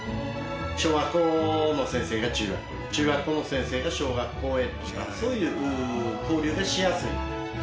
小学校の先生が中学校を中学校の先生が小学校へとかそういう交流がしやすい。